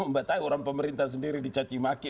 membatasi orang pemerintah sendiri dicacimaki